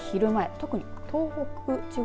特に東北地方